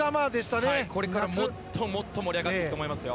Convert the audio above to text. これからもっともっと盛り上がってくると思いますよ。